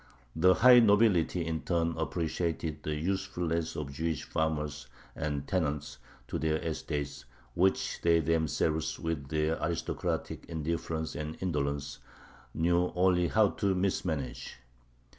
The high nobility in turn appreciated the usefulness of the Jewish farmers and tenants to their estates, which they themselves, with their aristocratic indifference and indolence, knew only how to mismanage.